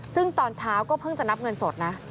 ซึ่งตอนเช้าก็เพิ่งจะนับเงินสดนะ